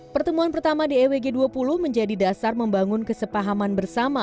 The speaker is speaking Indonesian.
pertemuan pertama dewg dua puluh menjadi dasar membangun kesepahaman bersama